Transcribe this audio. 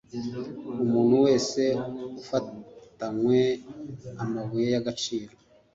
umuntu wese ufatanywe amabuye y agaciro